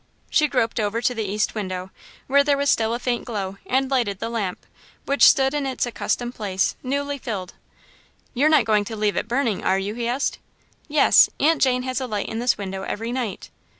She groped over to the east window, where there was still a faint glow, and lighted the lamp, which stood in its accustomed place, newly filled. "You're not going to leave it burning, are you?" he asked. "Yes, Aunt Jane has a light in this window every night."